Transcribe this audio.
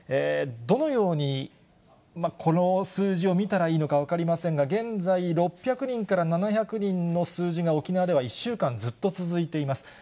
どのようにこの数字を見たらいいのか分かりませんが、現在、６００人から７００人の数字が、沖縄では、１週間ずっと続いています。